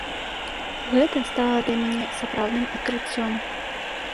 Гэта стала для мяне сапраўдным адкрыццём.